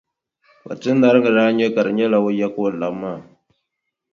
Kpatinariŋga daa nya ka di nyɛla o ya ka o labi maa.